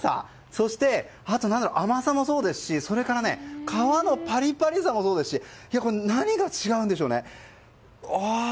そして、あと甘さもそうですしそれから皮のパリパリさもそうですし何が違うんでしょうね？